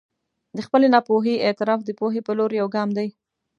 د خپلې ناپوهي اعتراف د پوهې په لور یو ګام دی.